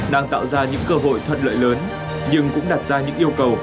đang tạo ra những cơ hội thuận lợi lớn nhưng cũng đặt ra những yêu cầu